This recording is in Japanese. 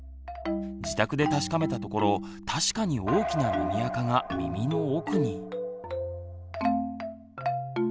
自宅で確かめたところ確かに大きな耳あかが耳の奥に。